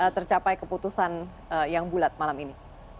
tercapai keputusan yang bulat malam ini